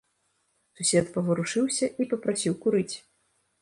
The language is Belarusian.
Сусед паварушыўся і папрасіў курыць.